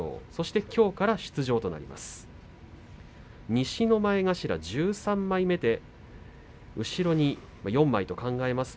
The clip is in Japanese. きょうから出場ということになります。